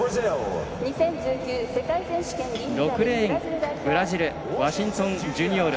６レーン、ブラジルワシントン・ジュニオル。